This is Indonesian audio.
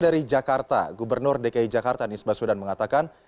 dari jakarta gubernur dki jakarta anies baswedan mengatakan